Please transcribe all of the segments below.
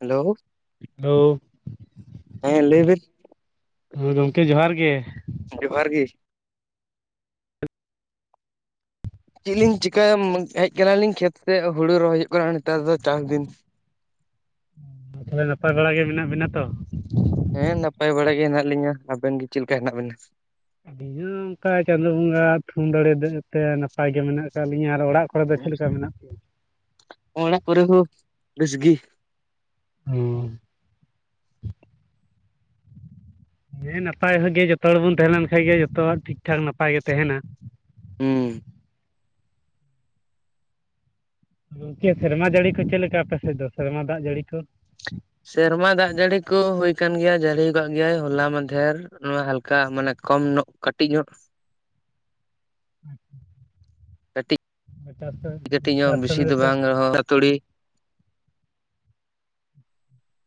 Hello, hello ᱦᱮᱸ ᱞᱟᱹᱭ ᱵᱤᱱ ᱦᱚᱭ ᱜᱚᱝᱠᱮ ᱡᱚᱦᱟᱨ ᱜᱮ, ᱡᱚᱦᱟᱨ ᱜᱮ, ᱪᱮᱫ ᱞᱤᱧ ᱪᱤᱠᱟᱭ ᱦᱮᱡ ᱟᱠᱟᱱᱟᱞᱤᱧ ᱠᱷᱮᱛ ᱛᱮ ᱦᱩᱲᱩ ᱨᱚᱦᱚᱭ ᱦᱩᱭᱩᱜ ᱠᱟᱱᱟ ᱱᱮᱛᱟᱨ ᱫᱚ ᱪᱟᱥ ᱫᱤᱱ᱾ ᱛᱟᱦᱚᱞᱮ ᱱᱟᱯᱟᱭ ᱵᱟᱲᱟ ᱜᱮ ᱢᱮᱱᱟᱜ ᱵᱤᱱᱟ ᱛᱚ? ᱦᱮᱸ ᱱᱟᱯᱟᱭ ᱵᱟᱲᱟ ᱜᱮ ᱦᱮᱱᱟᱜ ᱞᱤᱧᱟᱹ ᱟᱵᱮᱱ ᱜᱮ ᱪᱮᱫ ᱞᱮᱠᱟ ᱦᱮᱱᱟᱜ ᱵᱮᱱᱟ? ᱟᱹᱞᱤᱧ ᱦᱚᱸ ᱚᱱᱠᱟ ᱪᱟᱸᱫᱳ ᱵᱚᱸᱜᱟ ᱛᱷᱩᱢ ᱫᱟᱲᱮ ᱛᱮ ᱱᱟᱯᱟᱭ ᱜᱮ ᱢᱮᱱᱟᱜ ᱟᱠᱟᱫ ᱞᱤᱧ ᱟᱨ ᱚᱲᱟᱜ, ᱚᱨᱮ ᱫᱚ ᱪᱮᱫ ᱞᱮᱠᱟ ᱢᱮᱱᱟᱜ, ᱚᱲᱟᱜ ᱠᱚᱨᱮ ᱦᱚᱸ ᱵᱮᱥᱜᱤ᱾ ᱦᱩᱸ ᱦᱮᱸ ᱱᱟᱯᱟᱭ ᱦᱚᱸᱜ ᱡᱚᱛᱚ ᱦᱚᱲ ᱵᱚᱱ ᱛᱟᱦᱮᱸ ᱞᱮᱱ ᱠᱷᱟᱭ ᱜᱮ ᱡᱚᱛᱚᱣᱟᱜ ᱴᱷᱤᱠ ᱴᱷᱟᱠ ᱱᱟᱯᱟᱭ ᱜᱮ ᱛᱟᱦᱮᱱᱟ᱾ ᱦᱩᱸ ᱦᱩᱸ ᱜᱚᱝᱠᱮ ᱥᱮᱨᱢᱟ ᱡᱟᱹᱲᱤ ᱠᱚ ᱪᱮᱫ ᱞᱮᱠᱟ ᱟᱯᱮ ᱥᱮᱫ ᱫᱚ ᱥᱮᱨᱢᱟ ᱫᱟᱜᱽ ᱡᱟᱹᱲᱤ ᱠᱚ? ᱥᱮᱨᱢᱟ ᱫᱟᱜᱽ ᱡᱟᱹᱲᱤ ᱠᱚ ᱦᱩᱭ ᱟᱠᱟᱱ ᱜᱮᱭᱟ ᱡᱟᱹᱲᱤ ᱠᱟᱜ ᱜᱮᱭᱟᱭ ᱦᱚᱞᱟ ᱢᱟᱫᱷᱮᱨ᱾ ᱟᱫ ᱦᱟᱞᱠᱟ ᱢᱟᱱᱮ ᱠᱚᱢ ᱧᱚᱜ ᱠᱟᱹᱴᱤᱜ ᱧᱚᱜ᱾ [inaudible] ᱮᱴᱟ ᱛᱚᱨ ᱠᱟᱹᱴᱤᱜ ᱧᱚᱜ ᱵᱤᱥᱤ ᱫᱚ ᱵᱟᱝ ᱨᱮᱦᱚᱸ ᱦᱟᱹᱛᱩᱲᱤ,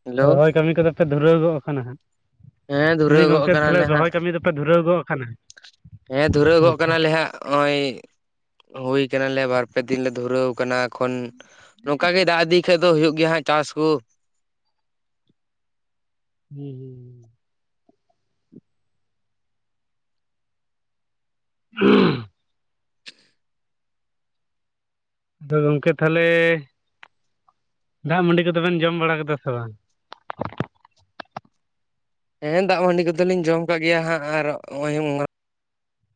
ᱦᱮᱞᱳ ᱨᱚᱦᱚᱭ ᱠᱟᱹᱢᱤ ᱠᱚᱫᱚ ᱯᱮ ᱫᱷᱩᱨᱟᱹᱣ ᱜᱚᱜ ᱠᱟᱱᱟ ᱦᱟᱸᱜ, ᱦᱮᱸ ᱫᱷᱩᱨᱟᱹᱣ ᱢᱮᱱᱫᱟᱧ ᱜᱚᱜ ᱜᱚᱝᱠᱮ ᱛᱟᱦᱚᱞᱮ ᱠᱟᱱᱟᱞᱮ ᱦᱟᱸᱜ ᱨᱚᱦᱚᱭ ᱠᱟᱹᱢᱤ ᱫᱚᱯᱮ ᱫᱷᱩᱨᱟᱹᱣ ᱜᱚᱫ ᱠᱟᱱᱟ? ᱦᱮᱸ ᱫᱷᱩᱨᱟᱹᱣ ᱜᱚᱜ ᱠᱟᱱᱟᱞᱮ ᱦᱟᱸᱜ᱾ ᱱᱚᱜᱚᱭ ᱦᱩᱭ ᱠᱟᱱᱟᱞᱮ ᱵᱟᱨᱯᱮ ᱫᱤᱱ ᱞᱮ ᱫᱷᱩᱨᱟᱹᱣ ᱠᱟᱱᱟ᱾ ᱮᱠᱷᱚᱱ ᱱᱚᱝᱠᱟ ᱜᱮ ᱫᱟᱜᱽ ᱤᱫᱤ ᱠᱷᱟᱭ ᱫᱚ ᱦᱩᱭᱩᱜ ᱜᱮᱭᱟ ᱦᱟᱜ ᱪᱟᱥ ᱠᱚ᱾ ᱦᱩᱸ ᱦᱩᱸ ᱦᱩᱸ [inaudible] ᱟᱫᱚ ᱜᱚᱝᱠᱮ ᱛᱟᱦᱚᱞᱮ ᱫᱟᱜᱽ ᱢᱟᱹᱰᱤ ᱠᱚᱫᱚᱵᱮᱱ ᱡᱚᱢ ᱵᱟᱲᱟ ᱠᱮᱫᱟ ᱥᱮ ᱵᱟᱝ? ᱦᱮᱸ ᱫᱟᱜ ᱢᱟᱹᱰᱤ ᱠᱚᱫᱚᱞᱤᱧ ᱡᱚᱢ ᱠᱟᱜ ᱜᱮᱭᱟ ᱦᱟᱸᱜ ᱟᱨ ᱱᱚᱜᱼᱚᱭ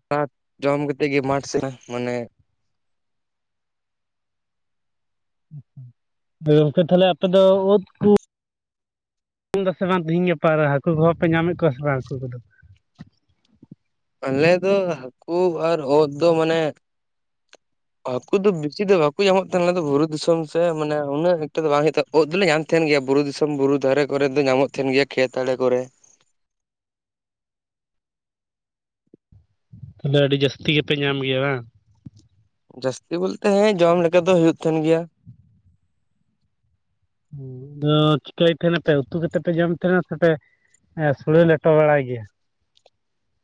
ᱥᱟᱠ ᱡᱚᱢ ᱠᱟᱛᱮᱫ ᱜᱮ ᱢᱟᱴᱷ ᱥᱮᱫ ᱢᱟᱱᱮ ᱜᱚᱝᱠᱮ ᱛᱟᱠᱦᱮ ᱟᱯᱮ ᱫᱚ ᱳᱫ ᱠᱚ ᱫᱟᱥᱮ ᱵᱟᱝ ᱛᱮᱦᱮᱧ ᱜᱟᱯᱟ ᱨᱮ ᱦᱟᱹᱠᱩ ᱠᱚᱦᱚᱸ ᱯᱮ ᱧᱟᱢᱮᱫ ᱠᱚᱣᱟ ᱥᱮ ᱵᱟᱝ ᱦᱠᱩ ᱠᱚᱫᱚ? ᱟᱞᱮ ᱫᱚ ᱦᱟᱹᱠᱩ ᱟᱨ ᱳᱫ ᱫᱚ ᱢᱟᱱᱮ ᱦᱟᱹᱠᱩ ᱫᱚ ᱵᱮᱥᱤ ᱫᱚ ᱵᱟᱠᱚ ᱧᱟᱢᱚᱜ ᱛᱟᱦᱮᱱᱟ ᱟᱞᱮ ᱫᱚ ᱵᱩᱨᱩ ᱫᱤᱥᱚᱢ ᱥᱮ ᱢᱟᱱᱮ ᱩᱱᱟᱹᱜ ᱮᱠᱴᱟ ᱫᱚ ᱵᱟᱝ [unintelligible] ᱳᱫ ᱫᱚᱞᱮ ᱧᱟᱢ ᱛᱟᱦᱮᱱ ᱜᱮᱭᱟ ᱵᱩᱨᱩ ᱫᱤᱥᱚᱢ ᱵᱩᱨᱩ ᱫᱷᱟᱨᱮ ᱠᱚᱨᱮ ᱫᱚ ᱧᱟᱢᱚᱜ ᱛᱟᱦᱮᱱ ᱜᱮᱭᱟ ᱠᱷᱮᱛ ᱟᱲᱮ ᱠᱚᱨᱮ ᱛᱟᱦᱚᱞᱮ ᱟᱹᱰᱤ ᱡᱟᱹᱥᱛᱤ ᱜᱮᱯᱮ ᱧᱟᱢ ᱜᱮᱭᱟ ᱵᱟᱝ? ᱡᱟᱹᱥᱛᱤ ᱵᱚᱞᱛᱮ ᱦᱮᱸ ᱡᱚᱢ ᱞᱮᱠᱟ ᱫᱚ ᱦᱩᱭᱩᱜ ᱛᱟᱦᱮᱱ ᱜᱮᱭᱟ ᱩᱫ ᱫᱚ ᱪᱤᱠᱟᱹᱭ ᱛᱟᱦᱮᱱᱟᱯᱮ ᱩᱛᱩ ᱠᱟᱛᱮ ᱯᱮ ᱡᱚᱢ ᱛᱟᱦᱮᱱᱟ ᱥᱮᱯᱮ ᱮᱸ ᱥᱳᱲᱮ ᱞᱮᱴᱚ ᱵᱟᱲᱟᱭ ᱜᱮᱭᱟ?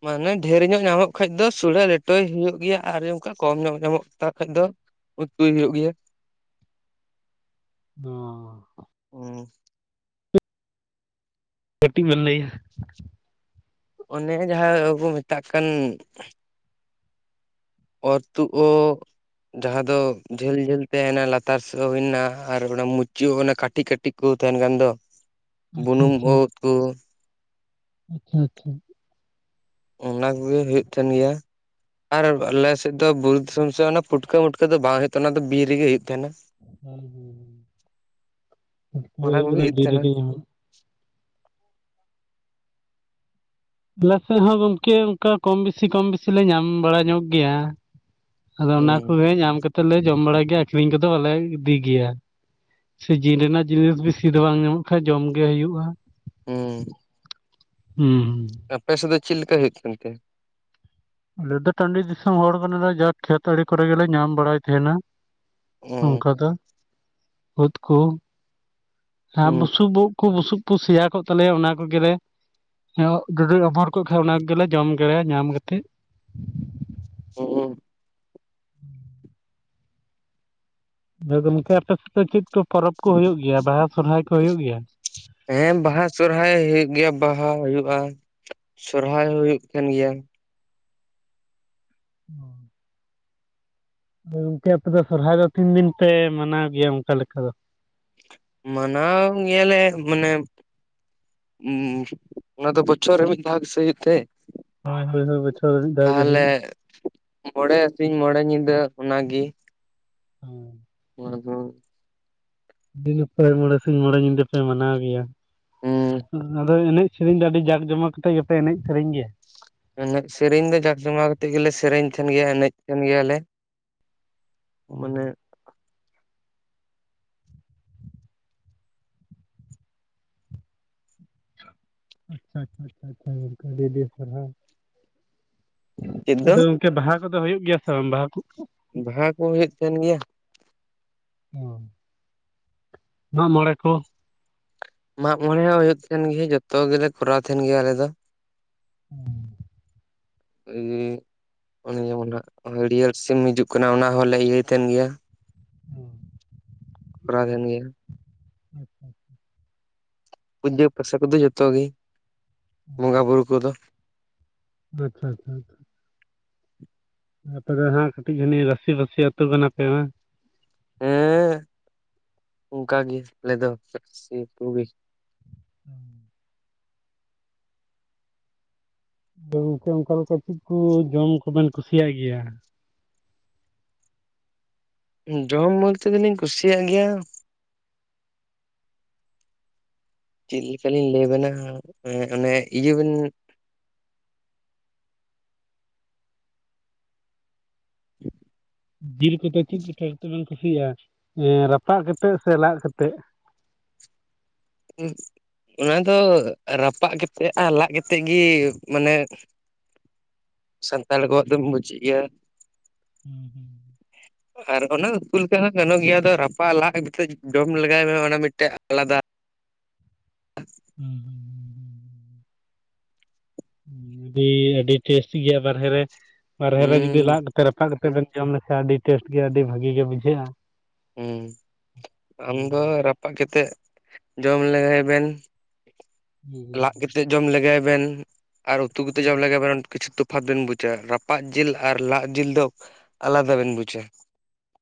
ᱢᱟᱱᱮ ᱰᱷᱮᱨ ᱧᱚᱜ ᱧᱟᱢᱚᱜ ᱠᱷᱟᱡ ᱫᱚ ᱥᱩᱲᱮ ᱞᱮᱴᱚᱭ ᱦᱩᱭᱩᱜ ᱜᱮᱭᱟ ᱟᱨ ᱚᱱᱠᱟ ᱠᱚᱢ ᱧᱚᱜ ᱧᱟᱢᱚᱜ ᱠᱷᱟᱡ ᱫᱚ ᱩᱛᱩᱭ ᱦᱩᱭᱩᱜ ᱜᱮᱭᱟ ᱚᱻ ᱚ ᱠᱟᱹᱴᱤᱡ ᱵᱮᱱ ᱞᱟᱹᱭᱟ ᱚᱱᱮ ᱡᱟᱦᱟᱸ ᱠᱚ ᱢᱮᱛᱟᱜ ᱠᱟᱱ ᱚᱨ ᱛᱩᱜ ᱳᱫ ᱡᱟᱦᱟᱸ ᱫᱚ ᱡᱷᱟᱹᱞ ᱡᱷᱟᱹᱞ ᱛᱟᱦᱮᱱᱟ ᱞᱟᱛᱟᱨ ᱥᱮᱫ ᱦᱩᱭ ᱮᱱᱟ ᱟᱨ ᱚᱱᱟ ᱢᱩᱪᱟᱹᱜ ᱚᱱᱟ ᱠᱟᱹᱴᱤᱡ ᱠᱟᱹᱴᱤᱡ ᱠᱚ ᱛᱟᱦᱮᱱ ᱠᱷᱟᱱ ᱫᱚ ᱟᱪᱪᱷᱟ ᱵᱩᱱᱩᱢ ᱳᱫ ᱠᱚ ᱟᱪᱷᱟ ᱟᱪᱷᱟ ᱚᱱᱟ ᱠᱚᱜᱮ ᱦᱩᱭᱩᱜ ᱛᱟᱦᱮᱱ ᱜᱮᱭᱟ ᱟᱨ ᱟᱞᱮᱥᱮᱫ ᱫᱚ ᱵᱩᱨᱩ ᱫᱤᱥᱚᱢ ᱥᱮ ᱚᱱᱟ ᱯᱩᱴᱠᱟᱹ ᱢᱩᱩᱴᱠᱟᱹ ᱫᱚ ᱵᱟᱝ ᱦᱩᱭᱩᱜᱼᱟ ᱛᱟᱦᱮᱱᱟ ᱴ, ᱚᱱᱟ ᱵᱤᱨ ᱨᱮᱜᱮ ᱦᱩᱭᱩᱜᱭ ᱛᱟᱦᱮᱱᱟ ᱦᱮᱸ ᱦᱮᱸ ᱚᱱᱟ ᱦᱩᱭᱩᱜ ᱠᱚᱜᱮ ᱠᱟᱱᱟ ᱵᱤᱨ ᱛᱟᱦᱮᱱᱟ ᱨᱮᱜᱮ ᱧᱟᱢᱚᱜ ᱟᱞᱮᱥᱮᱜ ᱦᱚᱸ ᱜᱚᱝᱠᱮ ᱚᱱᱠᱟ ᱠᱚᱢ ᱵᱮᱥᱤ ᱠᱚᱢ ᱵᱤᱥᱤ ᱞᱮ ᱧᱟᱢ ᱵᱟᱲᱟ ᱧᱚᱜ ᱜᱮᱭᱟ ᱟᱫᱚ ᱚᱱᱟ ᱦᱩᱸ ᱠᱚᱜᱮ ᱧᱟᱢ ᱠᱟᱛᱮᱫ ᱞᱮ ᱡᱚᱢ ᱵᱟᱲᱟᱭ ᱜᱮᱭᱟ ᱟᱠᱷᱨᱤᱧ ᱠᱚᱫᱚ ᱵᱟᱞᱮ ᱤᱫᱤ ᱜᱮᱭᱟ ᱥᱮᱡᱤᱱ ᱨᱮᱱᱟᱜ ᱡᱤᱱᱤᱥ ᱵᱮᱥᱤ ᱫᱚ ᱵᱟᱝ ᱧᱟᱢᱚᱜ ᱠᱷᱟᱱ ᱡᱚᱢ ᱜᱮ ᱦᱩᱭᱩᱜᱼᱟ ᱦᱮᱸ ᱦᱩᱸ ᱦᱩᱸ ᱟᱯᱮ ᱥᱮᱫ ᱫᱚ ᱪᱮᱫ ᱞᱮᱠᱟ ᱦᱩᱭᱩᱜ ᱠᱟᱱ ᱛᱮ ᱟᱞᱮᱫᱴ ᱫᱚ ᱴᱟᱺᱰᱤ ᱫᱤᱥᱚᱢ ᱦᱚᱲ ᱠᱟᱱᱟ ᱞᱮ ᱡᱟ ᱠᱷᱮᱛ ᱟᱲᱮ ᱠᱚᱨᱮ ᱜᱮᱞᱮ ᱧᱟᱢ ᱵᱟᱲᱟᱭ ᱛᱟᱦᱮᱱᱟ ᱦᱩᱸ ᱱᱚᱝᱠᱟ ᱫᱚ ᱳᱫ ᱠᱚ ᱟᱢ ᱦᱩᱸ ᱵᱩᱥᱩᱵ ᱩᱫ ᱠᱚ ᱵᱩᱥᱩᱵ ᱠᱚ ᱥᱮᱭᱟ ᱠᱚᱜ ᱛᱟᱞᱮᱭᱟ ᱚᱱᱟ ᱠᱚᱜᱮ ᱞᱮ ᱡᱚᱫᱤ ᱚᱢᱚᱨ ᱠᱚᱜ ᱠᱷᱟᱡ ᱚᱱᱟ ᱜᱮᱞᱮ ᱡᱚᱢ ᱜᱮᱭᱟ ᱧᱟᱢ ᱠᱟᱛᱮᱫ ᱚ ᱦᱩᱸ ᱞᱟᱹᱭ ᱫᱟᱞᱤᱧ ᱜᱚᱝᱠᱮ ᱟᱯᱮ ᱥᱮᱫ ᱫᱚ ᱪᱮᱫ ᱠᱚ ᱯᱚᱨᱚᱵᱽ ᱠᱚ ᱦᱩᱭᱩᱜ ᱜᱮᱭᱟ ᱵᱟᱦᱟ ᱥᱚᱨᱚᱦᱟᱭ ᱠᱚ ᱦᱩᱭᱩᱜ ᱜᱮᱭᱟ? ᱦᱮᱸ ᱵᱟᱦᱟ ᱥᱚᱨᱦᱟᱭ ᱦᱩᱭᱩᱜ ᱜᱮᱭᱟ ᱵᱟᱦᱟ ᱦᱩᱭᱩᱜᱼᱟ ᱥᱚᱨᱦᱟᱭ ᱦᱩᱭᱩᱜ ᱠᱟᱱ ᱜᱮᱭᱟ ᱚ ᱜᱚᱝᱠᱮ ᱟᱯᱮ ᱫᱚ ᱥᱚᱨᱦᱟᱭ ᱫᱚ ᱛᱤᱱ ᱫᱤᱱ ᱯᱮ ᱢᱟᱱᱟᱣ ᱜᱮᱭᱟ ᱚᱱᱠᱟ ᱞᱮᱠᱟ ᱫᱚ? ᱢᱟᱱᱟᱣ ᱜᱮᱭᱟ ᱞᱮ ᱢᱟᱱᱮ ᱩᱸᱜ ᱚᱱᱟ ᱫᱚ ᱵᱚᱪᱷᱚᱨ ᱨᱮ ᱢᱤᱫ ᱫᱷᱟᱣ ᱜᱮᱥᱮ ᱦᱩᱭᱩᱜ ᱛᱮ ᱦᱳᱭ ᱦᱳᱭ ᱦᱳᱭ ᱵᱚᱪᱷᱚᱨ ᱨᱮ ᱢᱤᱫᱷᱟᱣ ᱜᱮ ᱛᱟᱦᱚᱞᱮ ᱦᱩᱭᱩᱜᱼᱟ ᱢᱚᱬᱮ ᱟᱴ ᱥᱤᱧ ᱢᱚᱬᱮ ᱧᱤᱫᱟᱹ ᱚᱱᱟᱜᱮ ᱾ ᱟᱫᱚ ᱫᱤᱱᱮ ᱯᱨᱟᱭ ᱢᱚᱬᱮ ᱥᱤᱧ ᱢᱚᱬᱮ ᱧᱤᱫᱟᱹ ᱯᱮ ᱢᱟᱱᱟᱣ ᱜᱮᱭᱟ ᱦᱩᱸ ᱟᱫᱚ ᱮᱱᱮᱡ ᱥᱮᱨᱮᱧ ᱫᱚ ᱟᱹᱰᱤ ᱡᱟᱠ ᱡᱚᱢᱚᱠ ᱠᱟᱛᱮᱜ ᱜᱮᱯᱮ ᱮᱱᱮᱡ ᱥᱮᱨᱮᱧ ᱜᱮᱭᱟ ᱮᱱᱮᱡ ᱥᱮᱨᱮᱧ ᱫᱚ ᱡᱟᱠ ᱡᱚᱢᱟᱣ ᱠᱟᱛᱮᱫ ᱜᱮᱞᱮ ᱥᱮᱨᱮᱧ ᱛᱟᱦᱮᱱ ᱜᱮᱭᱟ ᱮᱱᱮᱡ ᱛᱟᱦᱮᱱ ᱜᱮᱭᱟ ᱞᱮ ᱢᱟᱱᱮ ᱟᱪᱪᱷᱟ ᱟᱪᱪᱷᱟ ᱟᱪᱪᱷᱟ ᱟᱪᱪᱷᱟ ᱟᱹᱰᱤ ᱟᱹᱰᱤ ᱥᱟᱨᱦᱟᱣ। ᱪᱮᱫ ᱫᱚ ᱟᱫᱚ ᱵᱟᱦᱟ ᱠᱚᱫᱚ ᱦᱳᱭᱳᱜ ᱜᱮᱭᱟ ᱥᱮ ᱵᱟᱝ ᱵᱟᱦᱟ ᱠᱚ? ᱵᱟᱦᱟ ᱠᱚ ᱦᱩᱭᱩᱜ ᱛᱟᱦᱮᱱ ᱜᱮᱭᱟ ᱚ ᱢᱟᱜᱢᱚᱬᱮ ᱠᱚ? ᱢᱟᱜᱢᱚᱬᱮ ᱦᱚᱸ ᱦᱩᱭᱩᱜ ᱛᱟᱦᱮᱸᱱ ᱜᱮ ᱡᱚᱛᱚ ᱜᱮᱞᱮ ᱠᱚᱨᱟᱣ ᱛᱟᱦᱮᱱ ᱜᱮᱭᱟ ᱟᱞᱮ ᱫᱚ ᱾ ᱦᱮᱸ [unintelligible] ᱚᱱᱮ ᱡᱮᱢᱚᱱ ᱦᱟᱸᱜ ᱦᱟᱹᱨᱭᱟᱹᱲ ᱥᱤᱢ ᱦᱤᱡᱩᱜ ᱠᱟᱱᱟ ᱚᱱᱟ ᱦᱚᱞᱮ ᱤᱭᱟᱹᱭ ᱛᱟᱦᱮᱱ ᱜᱮᱭᱟ ᱠᱚᱨᱟᱣ ᱠᱟᱱ ᱜᱮᱭᱟ ᱟᱪᱷᱟ ᱟᱪᱷᱟ ᱯᱩᱡᱟᱹ ᱯᱟᱥᱟ ᱠᱚᱫᱚ ᱡᱚᱛᱚ ᱜᱮ ᱵᱚᱸᱜᱟ ᱵᱩᱨᱩ ᱠᱚᱫᱚ ᱟᱪᱪᱷᱟ ᱟᱪᱪᱷᱟ ᱟᱯᱮ ᱫᱚ ᱦᱟᱸᱜ ᱠᱟᱹᱴᱤᱡ ᱡᱟᱱᱤᱡ ᱨᱟᱹᱥᱤᱵᱟᱹᱥᱤ ᱟᱹᱛᱩ ᱠᱟᱱᱟᱯᱮ ᱵᱟᱝ? ᱦᱮᱸ ᱚᱱᱠᱟᱜᱮ ᱟᱞᱮ ᱫᱚ ᱨᱟᱹᱥᱤ ᱟᱛᱩ ᱜᱮ ᱦᱩᱸ ᱟᱫᱚ ᱜᱚᱝᱠᱮ ᱚᱱᱠᱟ ᱞᱮᱠᱟ ᱪᱮᱫ ᱠᱚ ᱡᱚᱢ ᱠᱚᱵᱮᱱ ᱠᱩᱥᱤᱭᱟᱜ ᱜᱮᱭᱟ? ᱡᱚᱢ ᱵᱚᱞᱛᱮ ᱫᱚᱞᱤᱧ ᱠᱩᱥᱤᱭᱟᱜ ᱜᱮᱭᱟ ᱪᱮᱫ ᱞᱮᱠᱟ ᱞᱤᱧ ᱞᱟᱹᱭᱟᱵᱮᱱᱟ ᱮᱸᱜ ᱚᱱᱮ ᱤᱭᱟᱹ ᱵᱮᱱ [inaudible] ᱡᱤᱞ ᱠᱚᱫᱚ ᱪᱮᱫ ᱪᱮᱠᱟ ᱠᱟᱛᱮᱵᱮᱱ ᱠᱩᱥᱤᱭᱟᱜᱼᱟ ᱮᱸ ᱨᱟᱯᱟᱜ ᱠᱟᱛᱮᱜ ᱥᱮ ᱞᱟᱫ ᱠᱟᱛᱮᱜ? ᱟᱨ ᱚᱱᱟ ᱫᱚ ᱨᱟᱯᱟᱜ ᱠᱟᱛᱮᱫ ᱟᱨ ᱞᱟᱫ ᱠᱟᱛᱮᱫ ᱜᱮ ᱢᱟᱱᱮ ᱥᱟᱱᱛᱟᱲ ᱠᱚᱣᱟᱜ ᱫᱚᱢ ᱵᱩᱡᱮᱜ ᱜᱮᱭᱟ ᱦᱩᱸ ᱦᱩᱸ ᱟᱨ ᱚᱱᱟ ᱩᱛᱩ ᱞᱮᱠᱟ ᱦᱚᱸ ᱜᱟᱱᱚᱜ ᱜᱮᱭᱟ ᱟᱫᱚ ᱨᱟᱯᱟᱜ ᱞᱟᱫ ᱠᱟᱛᱮ ᱡᱚᱢ ᱞᱮᱜᱟᱭ ᱢᱮ ᱚᱱᱟ ᱢᱤᱫᱴᱮᱡ ᱟᱞᱟᱫᱟ ᱦᱩᱸ ᱦᱩᱸ ᱦᱩᱸ ᱟᱹᱰᱤ ᱟᱹᱰᱤ ᱴᱮᱥᱴᱤ ᱜᱮᱭᱟ ᱵᱟᱨᱦᱮ ᱨᱮ ᱵᱟᱨᱦᱮ ᱨᱮ ᱦᱩᱸ ᱡᱩᱫᱤ ᱞᱟᱫ ᱨᱟᱯᱟᱜ ᱠᱟᱛᱮᱫ ᱵᱮᱱ ᱡᱚᱢ ᱞᱮᱠᱷᱟᱡ ᱟᱹᱰᱤ ᱴᱮᱥᱴ ᱜᱮ ᱟᱹᱰᱤ ᱵᱷᱟᱹᱜᱤ ᱜᱮ ᱵᱩᱡᱷᱟᱹᱜᱼᱟ ᱦᱩᱸ ᱟᱢ ᱫᱚ ᱨᱟᱯᱟᱜ ᱨᱟᱯᱟᱜ ᱠᱟᱛᱮᱫ ᱡᱚᱢ ᱞᱮᱜᱟᱭ ᱵᱮᱱ ᱞᱟᱫ ᱠᱟᱛᱮᱫ ᱡᱚᱢ ᱞᱮᱜᱟᱭ ᱵᱮᱱ ᱟᱨ ᱩᱛᱩ ᱠᱟᱛᱮᱫ ᱡᱚᱢ ᱟᱫᱚ ᱞᱮᱜᱟᱭ ᱵᱮᱱ ᱚᱸᱰᱮ ᱠᱤᱪᱷᱩ ᱛᱚ ᱛᱚᱯᱷᱟᱛ ᱵᱮᱱ ᱵᱩᱡᱟ ᱨᱟᱯᱟᱜ ᱡᱤᱞ ᱟᱨ ᱞᱟᱫ ᱡᱤᱞ ᱫᱚ ᱟᱞᱟᱫᱟ ᱵᱮᱱ ᱵᱩᱡᱟ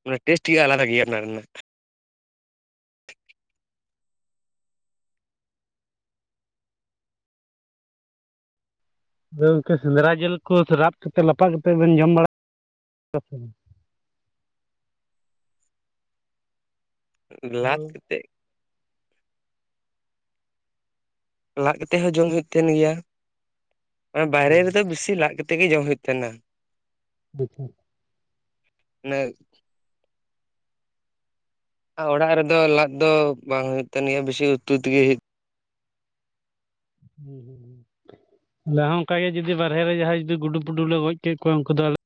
ᱚᱱᱟ ᱴᱮᱥᱴ ᱜᱮ ᱟᱞᱟᱫᱟ ᱜᱮᱭᱟ ᱚᱱᱟ ᱨᱮᱱᱟᱜ ᱟᱫᱚ ᱜᱚᱝᱠᱮ ᱥᱮᱸᱫᱽᱨᱟ ᱡᱮᱞ ᱠᱚ ᱨᱟᱵ ᱠᱟᱛᱮᱫ ᱞᱟᱯᱟᱜ ᱠᱟᱛᱮᱫ ᱵᱮᱱ ᱡᱚᱢ ᱵᱟᱲᱟ ᱠᱟᱫᱟ ᱥᱮ ᱵᱟᱝ? ᱞᱟᱫ ᱦᱮᱞᱳ ᱠᱟᱛᱮᱫ ᱞᱟᱫ ᱠᱟᱛᱮ ᱦᱚᱸ ᱡᱚᱢ ᱦᱩᱭᱩᱜ ᱛᱟᱦᱮᱱ ᱜᱮᱭᱟ ᱚᱱᱟ ᱵᱟᱭᱨᱮ ᱨᱮᱫᱚ ᱵᱤᱥᱤ ᱞᱟᱫ ᱠᱟᱛᱮ ᱛᱮᱜᱮ ᱡᱚᱢ ᱦᱩᱭᱩᱜ ᱛᱟᱦᱮᱱᱟ ᱟᱪᱪᱷᱟ ᱚᱱᱮ ᱚᱲᱟᱜ ᱨᱮᱫᱚ ᱞᱟᱫ ᱫᱚ ᱵᱟᱝ ᱦᱩᱭᱩᱜ ᱛᱟᱦᱮᱱ ᱜᱮᱭᱟ ᱵᱮᱥᱤ ᱩᱛᱩ ᱛᱮᱜᱮ ᱦᱩᱭᱩᱜ ᱦᱩᱸ ᱦᱩᱸ ᱟᱞᱮ ᱦᱚᱸ ᱚᱱᱠᱟᱜ ᱜᱮ ᱡᱩᱫᱤ ᱵᱟᱨᱦᱮ ᱨᱮ ᱡᱟᱦᱟᱸᱭ ᱡᱩᱫᱤ ᱜᱩᱰᱩᱼᱯᱩᱰᱩ ᱞᱮ ᱜᱚᱡ ᱠᱮᱫ ᱠᱚᱣᱟ ᱩᱱᱠᱩ ᱟᱞᱮᱼᱼ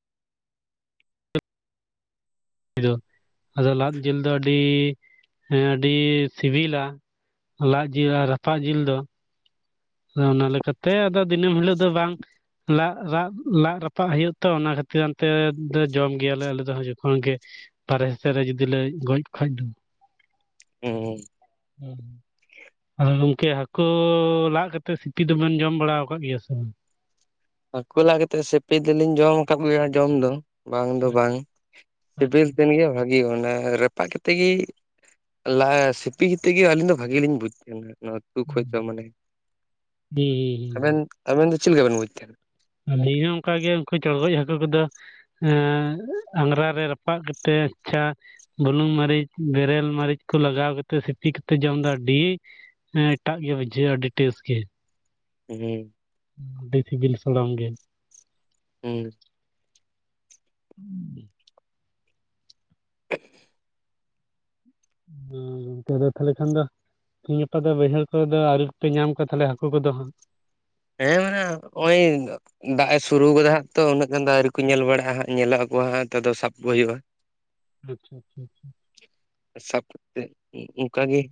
ᱫᱚ ᱟᱫᱚ ᱞᱟᱫ ᱡᱤᱞ ᱫᱚ ᱟᱹᱰᱤ ᱟᱹᱰᱤ ᱥᱤᱵᱤᱞᱟ ᱾ ᱞᱟᱫ ᱡᱤᱞ ᱟᱨ ᱨᱟᱯᱟᱜ ᱡᱤᱞ ᱫᱚᱼᱼ ᱟᱫᱚ ᱚᱱᱟ ᱞᱮᱠᱟᱛᱮ ᱟᱫᱚ ᱫᱤᱱᱟᱹᱢ ᱦᱤᱞᱳᱜ ᱫᱚ ᱵᱟᱝᱼᱼ ᱞᱟᱫ ᱨᱟᱫ ᱞᱟᱫ ᱨᱟᱯᱟᱜ ᱦᱩᱭᱩᱜ ᱛᱚ ᱚᱱᱟ ᱠᱷᱟᱹᱛᱤᱨ ᱦᱟᱱᱛᱮ ᱫᱚ ᱡᱚᱢ ᱜᱮᱭᱟᱞᱮ ᱟᱞᱮ ᱫᱚ ᱡᱚᱠᱷᱚᱱ ᱜᱮ ᱾ ᱵᱟᱦᱨᱮ ᱥᱮᱫ ᱨᱮ ᱡᱩᱫᱤ ᱞᱮ ᱜᱚᱡᱽ ᱠᱚ ᱠᱷᱟᱡ ᱫᱚ ᱾ ᱦᱩᱸ ᱦᱩᱸ ᱟᱫᱚ ᱜᱚᱝᱠᱮ ᱦᱟᱹᱠᱩ ᱞᱟᱫ ᱠᱟᱛᱮᱜ ᱥᱤᱯᱤ ᱫᱚᱵᱮᱱ ᱡᱚᱢ ᱵᱟᱲᱟᱣ ᱟᱠᱟᱫ ᱜᱮᱭᱟ ᱥᱮ ᱵᱟᱝ? ᱦᱟᱹᱠᱩ ᱞᱟᱫ ᱠᱟᱛᱮᱫ ᱥᱤᱯᱤ ᱫᱚᱞᱤᱧ ᱡᱚᱢ ᱟᱠᱟᱫ ᱜᱮᱭᱟ ᱡᱚᱢ ᱫᱚ ᱾ ᱵᱟᱝ ᱫᱚ ᱟᱪᱪᱷᱟ ᱵᱟᱝ, ᱥᱤᱵᱮᱞ ᱟᱪᱪᱷᱟ ᱴᱷᱟᱱ ᱜᱮ ᱵᱷᱟᱹᱜᱤ ᱚᱱᱟ ᱨᱟᱯᱟᱜ ᱠᱟᱛᱮ ᱜᱮ ᱾ ᱞᱟᱦᱟ ᱥᱤᱯᱤ ᱠᱟᱛᱮ ᱜᱮ ᱟᱹᱞᱤᱧ ᱫᱚ ᱵᱷᱟᱜᱮ ᱞᱤᱧ ᱵᱩᱡᱽ ᱛᱟᱦᱮᱸᱱᱟ ᱱᱚᱭᱟ ᱫᱚ ᱾ ᱩᱛᱩ ᱠᱷᱚᱡ ᱦᱩᱸ ᱫᱚ ᱢᱟᱱᱮ ᱟᱵᱮᱱ ᱦᱩᱸ ᱟᱵᱮᱱ ᱫᱚ ᱪᱮᱫ ᱞᱮᱠᱟᱵᱮᱱ ᱵᱩᱡᱽ ᱛᱟᱦᱮᱸᱱᱟ ᱾ ᱟᱞᱤᱧ ᱦᱚᱸ ᱚᱱᱠᱟ ᱜᱮ ᱩᱱᱠᱩ ᱪᱚᱲᱜᱚᱡ ᱦᱟᱹᱠᱩ ᱠᱚᱫᱚᱼᱼ ᱮᱸ ᱟᱝᱜᱨᱟ ᱨᱮ ᱨᱟᱯᱟᱜ ᱠᱟᱛᱮᱫ ᱟᱪᱪᱷᱟᱼᱼ ᱵᱩᱞᱩᱝ ᱢᱟᱹᱨᱤᱪ ᱵᱮᱨᱮᱞ ᱢᱟᱹᱨᱤᱪ ᱠᱚ ᱞᱟᱜᱟᱣ ᱠᱟᱛᱮᱫ ᱥᱤᱯᱤ ᱠᱟᱛᱮ ᱡᱚᱢ ᱫᱚ ᱟᱹᱰᱤᱼᱼ ᱦᱮᱸ ᱮᱴᱟᱜ ᱜᱮ ᱵᱩᱡᱷᱟᱹᱜᱼᱟ ᱟᱹᱰᱤ ᱴᱮᱥᱴ ᱜᱮ ᱾ ᱩᱸ ᱦᱩᱸ ᱟᱹᱰᱤ ᱥᱤᱵᱤᱞ ᱥᱲᱟᱢ ᱜᱮ ᱾ ᱦᱩᱸ [unintelligible] [unintelligible] ᱱᱤᱛᱚᱜ ᱫᱚ ᱛᱟᱦᱞᱮ ᱠᱷᱟᱱ ᱫᱚᱼᱼ ᱛᱮᱦᱤᱧ ᱜᱟᱯᱟ ᱫᱚ ᱵᱟᱹᱭᱦᱟᱹᱲ ᱠᱚᱫᱚ ᱟᱹᱣᱨᱤ ᱠᱯᱮ ᱧᱟᱢ ᱠᱚᱣᱟ ᱛᱟᱦᱚᱞᱮ ᱦᱟᱹᱠᱩ ᱠᱚᱫᱚ ᱦᱟᱸᱜ ᱾ ᱦᱮᱸ ᱢᱮᱟᱱᱮ ᱜᱼᱚᱭ, [unintelligible] ᱫᱟᱜ ᱮ ᱥᱩᱨᱩ ᱟᱡᱟᱫᱟ ᱛᱚ ᱩᱱᱟᱹᱜ ᱜᱟᱱ ᱟᱹᱣᱨᱤ ᱠᱚ ᱧᱮᱞ ᱵᱟᱲᱟᱜᱼᱟ ᱦᱟᱸᱜ ᱧᱮᱞᱚᱜᱚ ᱟᱠᱚ ᱦᱟᱸᱜ ᱟᱫᱚ ᱥᱟᱵ ᱠᱚ ᱦᱩᱭᱩᱜᱼᱟ ᱾ [inaudible] [unintelligible] ᱥᱟᱵ ᱠᱟᱛᱮ ᱚᱱᱠᱟ ᱜᱮ ᱾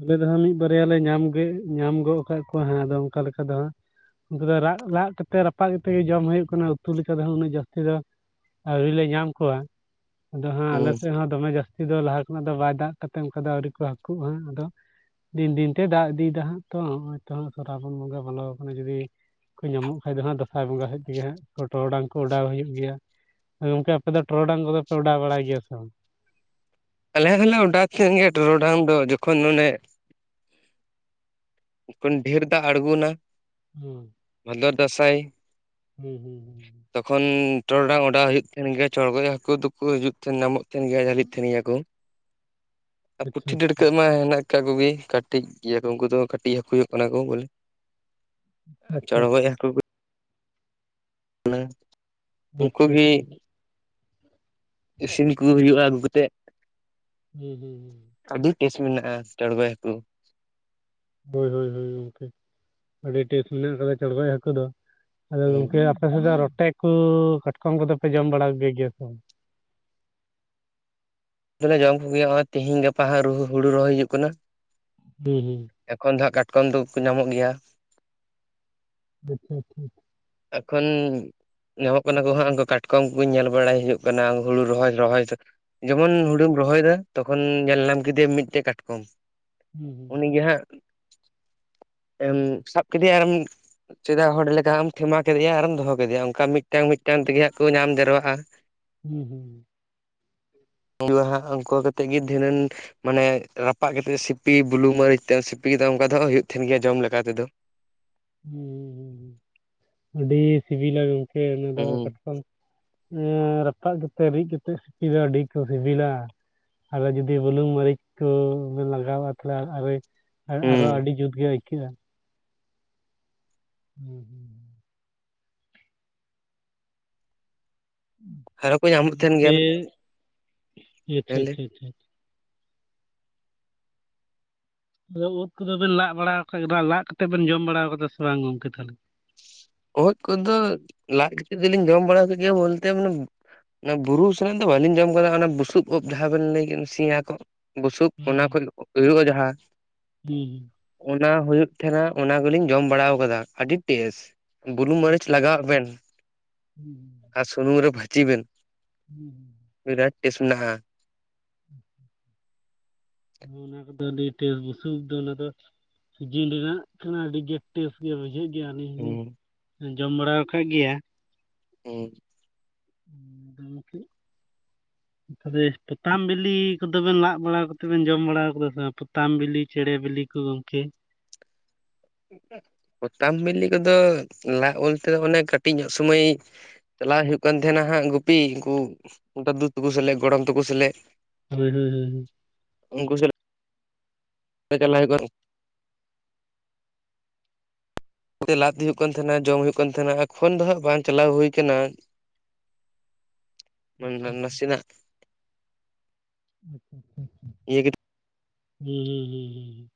ᱟᱞᱮ ᱫᱚᱦᱟᱸᱜ ᱢᱤᱫ ᱵᱟᱨᱭᱟ ᱞᱮ ᱧᱟᱢ ᱜᱮ ᱧᱟᱢ ᱜᱚᱫ ᱟᱠᱟᱫ ᱠᱚᱣᱟ ᱦᱟᱸᱜ ᱟᱫᱚ ᱚᱱᱠᱟ ᱞᱮᱠᱟ ᱫᱚ ᱦᱟᱸᱜ ᱾ ᱩᱱᱠᱩ ᱫᱚ ᱨᱟᱜ ᱞᱟᱜ ᱠᱟᱛᱮᱜ ᱨᱟᱯᱟᱜ ᱠᱟᱛᱮᱫ ᱜᱮ ᱡᱚᱢ ᱦᱩᱭᱩᱜ ᱠᱟᱱᱟ ᱾ ᱩᱛᱩ ᱞᱮᱠᱟ ᱞᱮᱠᱟᱛᱮ ᱩᱱᱟᱹᱜ ᱡᱟᱹᱥᱛᱤ ᱫᱚᱼᱼ ᱟᱹᱣᱨᱤ ᱞᱮ ᱧᱟᱢ ᱠᱚᱣᱟ ᱾ ᱟᱫᱚ ᱦᱟᱸᱜ ᱦᱩᱸ ᱟᱞᱮ ᱥᱮᱫ ᱦᱚᱸ ᱫᱚᱢᱮ ᱡᱟᱹᱥᱛᱤ ᱫᱚ ᱞᱟᱦᱟ ᱠᱷᱚᱱᱟᱜ ᱫᱚ ᱵᱟᱭ ᱫᱟᱜ ᱠᱟᱛᱮ ᱚᱱᱠᱟ ᱟᱹᱣᱨᱤ ᱠᱚ ᱦᱟᱹᱠᱩᱜ ᱦᱟᱸᱜ ᱾ ᱫᱤᱱ ᱫᱤᱱ ᱛᱮ ᱫᱟᱜ ᱤᱫᱤᱭᱮᱫᱟ ᱦᱟᱸᱜ ᱛᱚ ᱦᱟᱜ ᱥᱨᱟᱵᱚᱱ ᱵᱚᱸᱜᱟ ᱵᱚᱞᱚ ᱟᱠᱟᱱᱟ ᱡᱩᱫᱤᱼᱼ ᱠᱚ ᱧᱟᱢᱚᱜ ᱠᱷᱟᱡ ᱫᱚ ᱦᱟᱸᱜ ᱫᱟᱸᱥᱟᱭ ᱵᱚᱸᱜᱟ ᱥᱮᱫ ᱛᱮᱜᱮ ᱦᱟᱸᱜ, ᱴᱚᱨᱚᱰᱟᱝ ᱠᱚ ᱚᱰᱟᱣ ᱦᱩᱭᱩᱜ ᱜᱮᱭᱟ ᱾ ᱜᱚᱝᱠᱮ ᱟᱯᱮ ᱫᱚ ᱴᱚᱨᱚᱰᱟᱝ ᱠᱚᱫᱚ ᱯᱮ ᱚᱰᱟᱣ ᱵᱟᱲᱟᱭ ᱜᱮᱭᱟ ᱥᱮ ᱵᱟᱝ? ᱟᱞᱮ ᱦᱚᱞᱮ ᱚᱰᱟᱣ ᱠᱷᱚᱱ ᱜᱮᱭᱟ ᱴᱚᱨᱚᱰᱟᱝ ᱫᱚ ᱡᱚᱠᱷᱚᱱ ᱚᱱᱮᱼᱼ ᱦᱟᱯᱮᱱ ᱰᱷᱮᱨ ᱫᱟᱜ ᱟᱬᱜᱚᱱᱟ ᱾ ᱦᱩᱸ ᱾ ᱵᱷᱚᱫᱚᱨ ᱫᱟᱸᱥᱟᱭ ᱾ ᱦᱩᱸ ᱦᱩᱸ ᱦᱩᱸ ᱛᱚᱠᱷᱚᱱ ᱴᱚᱨᱰᱟᱝ ᱚᱰᱟᱹᱣ ᱦᱩᱭᱩᱜ ᱛᱟᱦᱮᱱ ᱜᱮᱭᱟ ᱪᱚᱲᱜᱚᱡ ᱦᱟᱹᱠᱩ ᱫᱚᱼᱼ ᱠᱚ ᱦᱤᱡᱩᱜ ᱛᱟᱦᱮᱱ ᱧᱟᱢᱚᱜ ᱛᱟᱦᱮ ᱜᱮᱭᱟ ᱡᱟᱹᱞᱤᱜ ᱛᱟᱦᱮᱱ ᱜᱮᱭᱟ ᱠᱚ ᱾ ᱟᱨ ᱯᱩᱴᱷᱤ ᱟᱪᱪᱷᱟ ᱟᱪᱪᱷᱟ ᱰᱟᱹᱲᱠᱟᱹᱜ ᱢᱟ ᱦᱮᱱᱟᱜ ᱟᱠᱟᱫ ᱠᱚᱜᱮ ᱠᱟᱹᱴᱤᱡ ᱜᱮᱭᱟ ᱠᱚ ᱩᱱᱠᱩ ᱫᱚ ᱠᱟᱹᱴᱤᱡ ᱦᱟᱹᱠᱩ ᱠᱟᱱᱟ ᱠᱚ ᱵᱚᱞᱮ ᱾ ᱟᱪᱪᱷᱟ ᱪᱚᱲᱜᱚᱡ ᱟᱪᱪᱷᱟ ᱦᱟᱹᱠᱩ ᱾ [unintelligible] ᱟᱪᱪᱷᱟ ᱩᱱᱠᱩ ᱜᱮ ᱟᱪᱪᱷᱟ ᱟᱪᱪᱷᱟ ᱾ ᱤᱥᱤᱱ ᱠᱚ ᱦᱩᱭᱩᱜᱼᱟ ᱟᱹᱜᱩ ᱠᱟᱛᱮᱫ ᱾ ᱦᱩᱸ ᱦᱩᱸ ᱦᱩᱸ ᱾ ᱟᱹᱰᱤ ᱴᱮᱥ ᱢᱮᱱᱟᱜᱼᱟ ᱪᱚᱲᱜᱚᱡ ᱦᱟᱹᱠᱩ ᱾ ᱦᱳᱭ ᱦᱳᱭ ᱦᱳᱭ ᱜᱚᱝᱠᱮ ᱾ ᱟᱹᱰᱤ ᱴᱮᱥᱴ ᱢᱮᱱᱟᱜ ᱟᱠᱟᱫᱟ ᱪᱚᱲᱜᱚᱡ ᱦᱟᱹᱠᱩ ᱫᱚ ᱾ ᱟᱫᱚ ᱦᱩᱸ ᱜᱚᱢᱠᱮ [unintelligible] ᱨᱚᱴᱮ ᱠᱚ ᱠᱟᱴᱠᱚᱢ ᱠᱚᱫᱚ ᱯᱮ ᱡᱚᱢ ᱵᱟᱲᱟ ᱠᱚ ᱜᱮᱭᱟ ᱜᱮᱭᱟ ᱥᱮ ᱵᱟᱝ? ᱫᱚᱞᱮ ᱡᱚᱢ ᱠᱚᱜᱮᱭᱟ, ᱦᱚᱜ-ᱚᱭ ᱛᱮᱦᱤᱧ ᱜᱟᱯᱟ ᱦᱟᱸᱜ ᱦᱩᱲᱩ ᱨᱚᱦᱚᱭ ᱦᱩᱭᱩᱜ ᱠᱟᱱᱟ ᱾ ᱦᱩᱸ ᱦᱩᱸ ᱾ ᱮᱠᱷᱚᱱ ᱫᱚ ᱦᱟᱸᱜ ᱠᱟᱴᱠᱚᱢ ᱫᱚᱠᱚ ᱧᱟᱢᱚᱜ ᱜᱮᱭᱟ ᱾ ᱟᱪᱪᱷᱟ ᱟᱪᱪᱷᱟ ᱾ ᱮᱠᱷᱚᱱ ᱧᱟᱢᱚᱜ ᱠᱟᱱᱟ ᱠᱚ ᱦᱟᱸᱜ ᱩᱱ ᱠᱟᱴᱠᱚᱢ ᱠᱚ ᱧᱮᱞ ᱵᱟᱲᱟᱭ ᱦᱩᱭᱩᱜ ᱠᱟᱱᱟ ᱾ ᱦᱩᱲᱩ ᱨᱚᱦᱚᱭ ᱨᱚᱦᱚᱭ ᱡᱮᱢᱚᱱ ᱦᱩᱲᱩᱢ ᱨᱚᱦᱚᱭ ᱮᱫᱟ ᱛᱚᱠᱷᱚᱱ ᱧᱮᱞ ᱧᱟᱢ ᱠᱮᱫᱮ ᱟᱢ ᱢᱤᱫᱴᱮᱡ ᱠᱟᱴᱠᱚᱢ ᱾ ᱦᱩᱸ ᱦᱩᱸ ᱩᱱᱤ ᱜᱮ ᱦᱟᱸᱜ [inaudible] ᱮᱢ ᱥᱟᱵ ᱠᱮᱫᱮᱭᱟ ᱟᱨᱮᱢ ᱥᱮᱫᱟᱭ ᱦᱚᱲ ᱞᱮᱠᱟ ᱦᱟᱸᱜ ᱮᱢ ᱴᱷᱮᱢᱟ ᱠᱮᱫᱮᱭᱟ ᱟᱨᱮᱢ ᱫᱚᱦᱚ ᱠᱮᱫᱮᱭᱟ ᱾ ᱚᱱᱠᱟ ᱢᱤᱫᱴᱟᱝ ᱢᱤᱫᱴᱟᱝ ᱛᱮᱜᱮ ᱦᱟᱸᱜ ᱠᱚ ᱧᱟᱢ ᱰᱷᱮᱨᱚᱜᱼᱟ ᱾ ᱦᱩᱸ ᱦᱩᱸ ᱾ ᱩᱱ ᱫᱚ ᱦᱟᱸᱜ ᱩᱱᱠᱩ ᱠᱚᱛᱮᱫ ᱜᱮ ᱫᱷᱤᱱᱟᱹᱱ ᱢᱟᱱᱮ ᱨᱟᱯᱟᱜ ᱠᱟᱛᱮᱜ ᱥᱤᱯᱤ, ᱵᱩᱞᱩᱝ ᱢᱟᱹᱨᱤᱪ ᱛᱮ ᱥᱤᱯᱤ ᱫᱚ ᱚᱱᱠᱟ ᱫᱚ ᱦᱟᱸᱜ ᱦᱩᱭᱩᱜ ᱛᱟᱦᱮᱱ ᱜᱮᱭᱟ ᱡᱚᱢ ᱞᱮᱠᱟ ᱛᱮᱫᱚ ᱾ ᱦᱩᱸ ᱦᱩᱸ ᱾ ᱟᱹᱰᱤ ᱥᱤᱵᱤᱞᱟ ᱜᱚᱝᱠᱮ ᱚᱱᱟ ᱫᱚ ᱦᱩᱸ ᱠᱟᱴ ᱠᱚᱢ ᱨᱟᱯᱟᱜ ᱠᱟᱛᱮᱫ ᱨᱤᱫ ᱠᱟᱛᱮᱫ ᱥᱤᱯᱤ ᱫᱚ ᱟᱹᱰᱤ ᱠᱚ ᱥᱤᱵᱤᱞᱟ ᱾ ᱟᱨᱚ ᱡᱩᱫᱤ ᱵᱩᱞᱩᱝ ᱢᱟᱹᱨᱤᱪ ᱠᱚ ᱞᱟᱜᱟᱣᱟ ᱛᱟᱦᱚᱞᱮ ᱟᱨᱚᱭ ᱦᱩᱸ ᱟᱨᱚ ᱟᱹᱰᱤ ᱡᱩᱛ ᱜᱮ ᱟᱹᱭᱠᱟᱹᱜ-ᱟ ᱾ ᱦᱩᱸ ᱦᱩᱸ ᱾ ᱟᱨᱦᱚ ᱠᱚ ᱧᱟᱢᱚᱜ ᱛᱟᱦᱮᱱ ᱜᱮᱭᱟ ᱾ ᱦᱤᱴ ᱦᱤᱴ, ᱦᱤᱴ ᱦᱤᱴ ᱾ ᱟᱫᱚ ᱩᱫ ᱠᱚᱫᱚ ᱵᱤᱱ ᱞᱟᱜ ᱵᱟᱲᱟ ᱟᱠᱟᱫ? ᱞᱟᱜ ᱠᱟᱛᱮᱫ ᱵᱮᱱ ᱡᱚᱢ ᱵᱟᱲᱟ ᱠᱟᱫᱟ ᱥᱮ ᱵᱟᱝ ᱜᱚᱝᱠᱮ, ᱛᱟᱦᱚᱞᱮ? ᱳᱫ ᱠᱚᱫᱚ ᱞᱟᱜ ᱠᱟᱛᱮᱜ ᱫᱚᱞᱤᱧ ᱡᱚᱢ ᱵᱟᱲᱟ ᱠᱮᱫ ᱜᱮᱭᱟ, ᱵᱚᱞᱛᱮ ᱢᱟᱱᱮ ᱚᱱᱟ ᱵᱩᱨᱩ ᱥᱮᱱᱟᱜ ᱫᱚ ᱵᱟᱹᱞᱤᱧ ᱡᱚᱢ ᱠᱟᱫᱟ ᱾ ᱚᱱᱟ ᱵᱩᱥᱩᱵ ᱩᱫ ᱡᱟᱦᱟᱸ ᱵᱤᱱ ᱞᱟᱹᱭ ᱠᱮᱫ ᱥᱮᱭᱟ ᱠᱚᱜ ᱵᱩᱥᱩᱵ, ᱚᱱᱟ ᱠᱷᱚᱱ ᱦᱩᱭᱩᱜᱼᱟ ᱡᱟᱦᱟ ᱦᱩᱸ ᱦᱩᱸ ᱾ ᱚᱱᱟ ᱦᱩᱭᱩᱜ ᱛᱟᱦᱮᱸᱱᱟ, ᱚᱱᱟ ᱠᱚᱞᱤᱧ ᱡᱚᱢ ᱵᱟᱲᱟ ᱟᱠᱟᱫᱟ ᱟᱹᱰᱤ ᱴᱮᱥᱴ ᱾ ᱵᱩᱞᱩᱝ ᱢᱟᱹᱨᱤᱪ ᱞᱟᱜᱟᱣ ᱵᱮᱱ [inaudible] ᱟᱨ ᱥᱩᱱᱩᱢ ᱨᱮ ᱵᱷᱟᱡᱤ ᱵᱮᱱ ᱾ ᱦᱩᱸ ᱦᱩᱸ ᱾ ᱵᱤᱨᱟᱴ ᱴᱮᱥ ᱢᱮᱱᱟᱜ-ᱟ ᱾ ᱚᱱᱟ ᱠᱚᱫᱚ ᱟᱹᱰᱤ ᱴᱮᱥᱴ ᱾ ᱵᱩᱥᱩᱵ ᱩᱫ ᱫᱚ ᱚᱱᱟ ᱫᱚ ᱥᱤᱡᱤᱱ ᱨᱮᱱᱟᱜ ᱠᱟᱱᱟ ᱟᱹᱰᱤ ᱜᱮ ᱴᱮᱥᱴ ᱜᱮᱭᱟ ᱵᱩᱡᱷᱟᱹᱜ ᱜᱮᱭᱟ ᱾ ᱟᱹᱞᱤᱧ ᱦᱚᱞᱤᱧ ᱦᱩᱸ ᱡᱚᱢ ᱵᱟᱲᱟ ᱟᱠᱟᱫ ᱜᱮᱭᱟ ᱾ ᱦᱮᱸ ᱾ [unintelligible] [inaudible] [unintelligible] ᱯᱚᱛᱟᱢ ᱵᱤᱞᱤ ᱠᱚᱫᱚ ᱵᱮᱱ ᱞᱟᱜ ᱵᱟᱲᱟ ᱠᱟᱛᱮ ᱵᱮᱱ ᱡᱚᱢ ᱵᱟᱲᱟ ᱠᱟᱫᱟ ᱥᱮ ᱵᱟᱝ? ᱯᱚᱛᱟᱢ ᱵᱤᱞᱤ ᱪᱮᱸᱬᱮ ᱵᱤᱞᱤ ᱠᱚ ᱜᱚᱢᱠᱮ ᱾ ᱯᱚᱛᱟᱢ ᱵᱤᱞᱤ ᱠᱚᱫᱚ ᱞᱟᱜ ᱵᱚᱞᱛᱮ ᱫᱚ ᱚᱱᱮ ᱠᱟᱹᱴᱤᱡ ᱧᱚᱜ ᱥᱩᱢᱚᱭ ᱪᱟᱞᱟᱜ ᱦᱩᱭᱩᱜ ᱠᱟᱱ ᱛᱟᱦᱮᱱᱟ ᱦᱟᱸᱜ ᱜᱩᱯᱤ, ᱩᱱᱠᱩ ᱫᱟᱫᱩ ᱛᱟᱠᱚ ᱥᱟᱞᱟᱜ ᱜᱚᱲᱚᱢ ᱛᱟᱠᱚ ᱥᱟᱞᱟᱜ ᱾ ᱦᱳᱭ ᱦᱳᱭ ᱦᱳᱭ ᱾ ᱩᱱᱠᱩ ᱥᱟᱞᱼᱼ ᱪᱟᱞᱟᱜ ᱦᱩᱭᱩᱜ ᱠᱚᱼᱼ ᱛᱮ ᱞᱟᱫ ᱦᱩᱭᱩᱜ ᱠᱟᱱ ᱛᱟᱦᱮᱱᱟ ᱡᱚᱢ ᱦᱩᱭᱩᱜ ᱠᱟᱱ ᱛᱟᱦᱮᱱᱟ ᱮᱠᱷᱚᱱ ᱫᱚ ᱦᱟᱸᱜ ᱵᱟᱝ ᱪᱟᱞᱟᱣ ᱦᱩᱭᱠᱟᱱᱟ᱾ ᱱᱟᱥᱮᱱᱟᱜ ᱤᱭᱟᱹ ᱦᱩᱸ ᱦᱩᱸ ᱦᱩᱸ ᱦᱩᱸ᱾